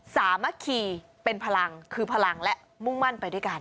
สามัคคีเป็นพลังคือพลังและมุ่งมั่นไปด้วยกัน